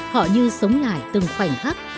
họ như sống lại từng khoảnh khắc